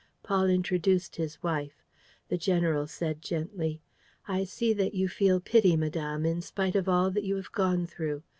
Paul introduced his wife. The general said, gently: "I see that you feel pity, madame, in spite of all that you have gone through.